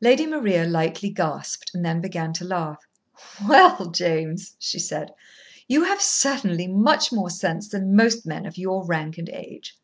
Lady Maria lightly gasped, and then began to laugh. "Well, James," she said, "you have certainly much more sense than most men of your rank and age."